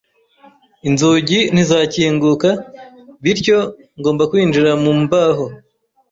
Inzugi ntizakinguka, bityo ngomba kwinjira mu mbaho.